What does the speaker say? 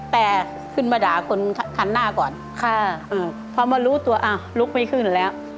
แต่ขึ้นมาด่าคนทันหน้าก่อนพอมารู้ตัวลุกไม่ขึ้นแล้ว